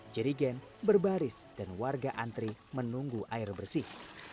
jerigen berbaris dan warga antri menunggu air bersih